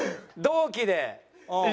同期で。